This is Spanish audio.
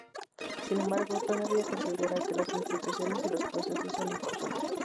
Sin embargo, todavía considera que las instituciones y los procesos son importantes.